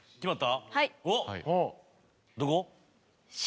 どこ？